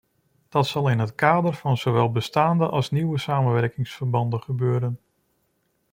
Dat zal in het kader van zowel bestaande als nieuwe samenwerkingsverbanden gebeuren.